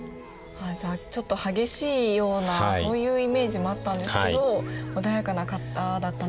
じゃあちょっと激しいようなそういうイメージもあったんですけど穏やかな方だったんじゃないかと。